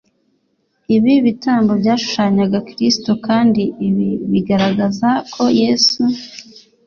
Ibi bitambo byashushanyaga Kristo, kandi ibi bigaragaza ko Yesu